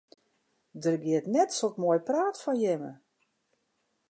Der giet net sok moai praat fan jimme.